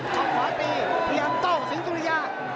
จังหวะขวาตีพยายามโต้สิงสุริยา